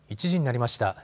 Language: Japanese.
１時になりました。